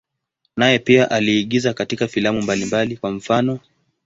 Naye pia aliigiza katika filamu mbalimbali, kwa mfano.